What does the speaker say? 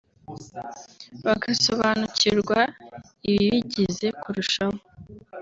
bakanasobanukirwa ibibigize kurushaho